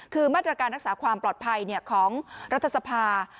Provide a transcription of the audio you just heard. คือมาตรการรักษาความปลอดภัยของรัฐสภา